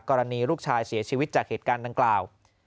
กรณีลูกชายเสียชีวิตจากเหตุการณ์ดังกล่าว